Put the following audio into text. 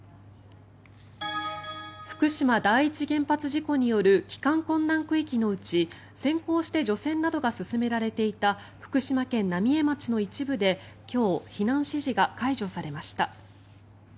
福島第一原発事故による帰還困難区域のうち先行して除染などが進められていた福島県浪江町の一部で避難指示が解除されました。